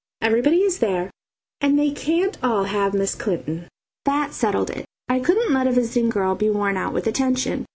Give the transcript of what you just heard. Everybody is there, and they can't all have Miss Clinton." That settled it I couldn't let a visiting girl be worn out with attention.